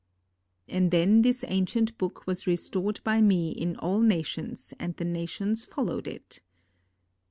"And then this ancient book was restored by me in all nations and the nations followed it."